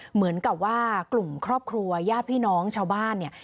เหมือนกับว่ากลุ่มครอบครัวญาติพี่น้องชาวบ้านเนี่ย